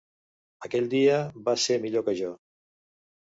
Aquell dia vas ser millor que jo.